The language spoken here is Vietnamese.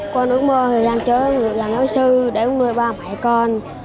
con ước mơ là làm giáo sư để nuôi ba mẹ con